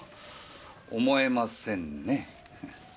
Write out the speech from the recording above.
思えませんね。